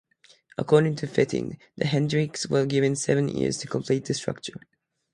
According to Fetting, the Hedrickites were given seven years to complete the structure.